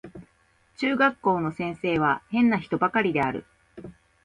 中学校の先生は変な人ばかりである